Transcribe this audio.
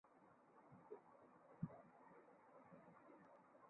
বিশ্বযুদ্ধের পর রোডেশিয়া দলের পক্ষে অল-রাউন্ডার হিসেবে চার মৌসুম খেলেন।